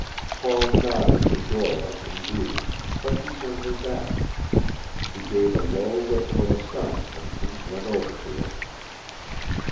Paul nodded to Dora in greeting, but she turned her back. He gave a low whistle of astonishment and went over to her.